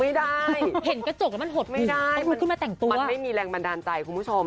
ไม่ได้เห็นกระจกแล้วมันหดไม่ได้มันไม่มีแรงบันดาลใจคุณผู้ชม